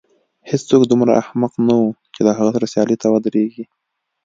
هېڅوک دومره احمق نه و چې له هغه سره سیالۍ ته ودرېږي.